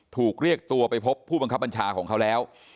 ถูกเรียกตัวไปพบผู้บังคับบัญชาของเขาแล้ว